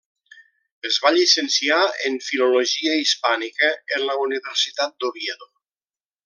Es va llicenciar en Filologia Hispànica en la Universitat d'Oviedo.